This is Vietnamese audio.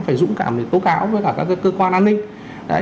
phải dũng cảm để tố cáo với cả các cơ quan an ninh